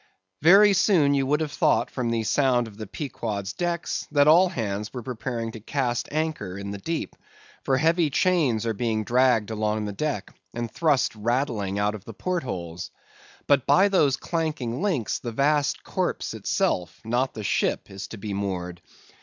Very soon you would have thought from the sound on the Pequod's decks, that all hands were preparing to cast anchor in the deep; for heavy chains are being dragged along the deck, and thrust rattling out of the port holes. But by those clanking links, the vast corpse itself, not the ship, is to be moored.